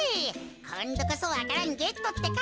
こんどこそわか蘭ゲットってか。